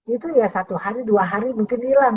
itu ya satu hari dua hari mungkin hilang